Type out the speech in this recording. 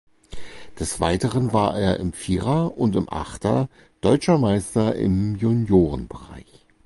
Des Weiteren war er im Vierer und im Achter deutscher Meister im Juniorenbereich.